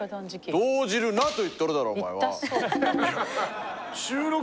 動じるなと言っとるだろお前は！